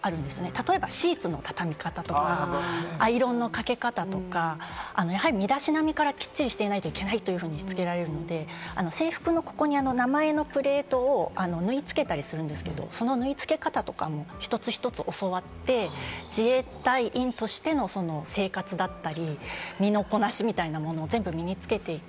例えばシーツの畳み方とかアイロンのかけ方とか、やはり身だしなみからきっちりしていないといけないというふうにしつけられるので、制服のここに名前のプレートを縫い付けたりするんですけれども、その縫いつけ方とかも一つ一つ教わって、自衛隊員としての生活だったり、身のこなしみたいなものを全部身につけていく。